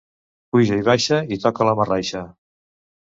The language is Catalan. Puja i baixa i toca la marraixa.